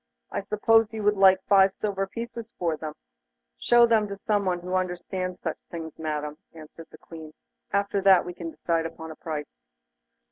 I suppose you would like five silver pieces for them.' 'Show them to someone who understands such things, Madam,' answered the Queen; 'after that we can decide upon the price.